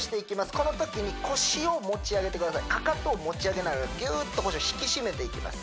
このときに腰を持ち上げてくださいかかとを持ち上げないようにぎゅーっと腰を引き締めていきます